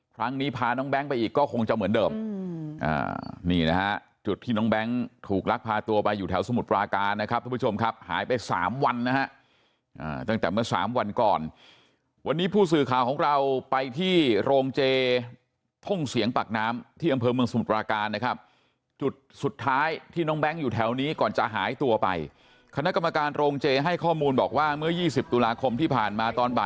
ครั้งนี้พาน้องแบงค์ไปอีกก็คงจะเหมือนเดิม